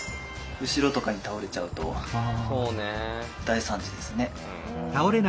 後ろとかに倒れちゃうと大惨事ですね。